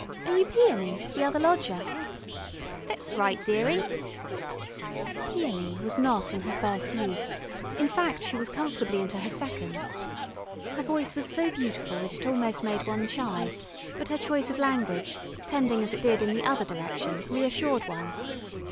"Are you Peony, the other lodger?" "Thet's right, dearie." Peony was not in her first youth, in fact she was comfortably into her second. Her voice was so beautiful that it almost made one shy, but her choice of language, tending as it did in the other direction, reassured one.